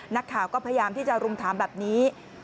นักข่าวก็พยายามที่จะรุมถามแบบนี้